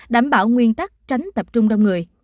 đảm bảo nguyên tắc tránh tập trung đông người